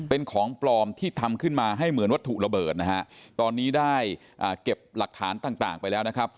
เป็นของปลอมที่ทำขึ้นมาให้เหมือนวัตถุระเบิดนะฮะตอนนี้ได้เก็บหลักฐานต่างไปแล้วนะครับ